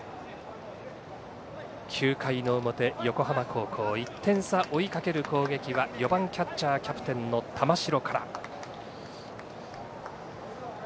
９回の表、横浜高校１点差、追いかける攻撃は４番キャッチャー、キャプテンの玉城から。